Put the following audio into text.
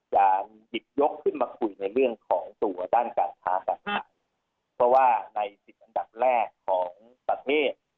จะหยิบยกขึ้นมาคุยในเรื่องของตัวด้านการค้าการขายเพราะว่าในสิบอันดับแรกของประเทศ